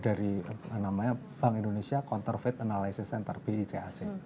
dari namanya bank indonesia counter faith analysis center bicac